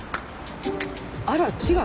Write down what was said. あら違う。